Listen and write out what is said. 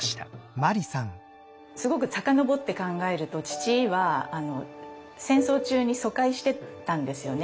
すごく遡って考えると父は戦争中に疎開してたんですよね